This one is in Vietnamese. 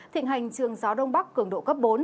thịnh hành trường gió đông bắc cường độ cấp bốn